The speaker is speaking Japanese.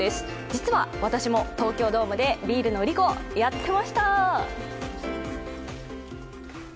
実は私も東京ドームでビールの売り子をやってました。